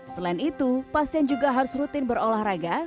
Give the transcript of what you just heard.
selain itu pasien juga harus rutin berolahraga